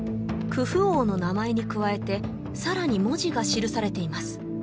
クフ王の名前に加えてさらに文字が記されています